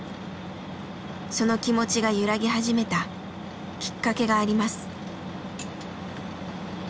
その気持ちが揺らぎ始めたきっかけがあります。